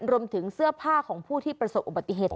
รวมถึงเสื้อผ้าของผู้ที่ประสบอุบัติเหตุ